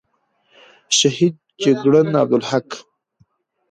شهید جگړن عبدالحق،